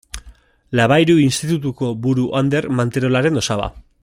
Labayru Institutuko buru Ander Manterolaren osaba.